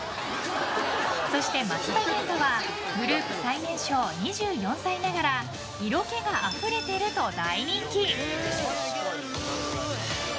そして松田元太はグループ最年少、２４歳ながら色気があふれていると大人気。